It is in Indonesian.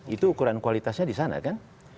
itu ukuran kualitasnya di sana kan